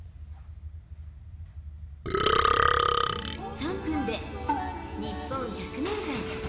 ３分で「にっぽん百名山」。